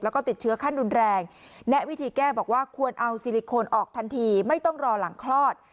แล้วก็ติดเชื้อขั้นรุนแรงแนะวิธีแก้บอกว่าควรเอาซิลิโคนออกทันทีไม่ต้องรอหลังคลอด